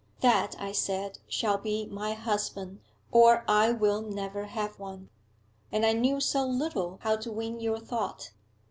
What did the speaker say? That, I said, shall be my husband, or I will never have one. And I knew so little how to win your thought.